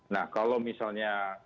nah kalau misalnya